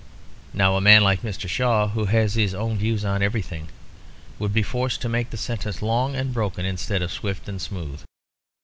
Now a man like Mr. Shaw, who has his own views on everything, would be forced to make the sentence long and broken instead of swift and smooth.